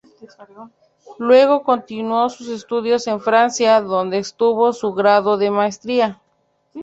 Luego continuó sus estudios en Francia, donde obtuvo su grado de maestría.